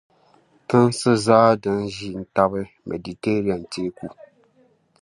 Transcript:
tinsi din zaa daa ʒi n-tabi Meditireniɛn teeku.